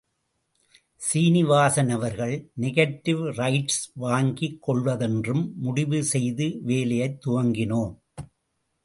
சீனிவாசன் அவர்கள் negative rights வாங்கிக் கொள்வதென்றும் முடிவு செய்து வேலையைத் துவங்கினோம்.